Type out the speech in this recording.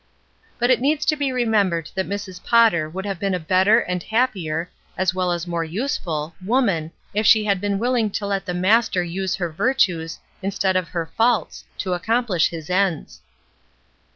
But it needs to be remembered that Mrs. Potter would have been a better and happier, as well as more useful, woman if she had been willing to let the Master use her virtues, instead of her faults, to accomplish His ends.